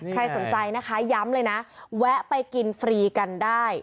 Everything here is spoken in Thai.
ใครสนใจนะคะย้ำเลยนะแวะไปกินฟรีกันได้